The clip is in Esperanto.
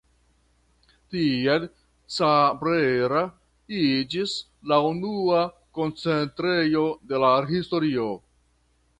Tiel Cabrera iĝis la unua koncentrejo de la historio.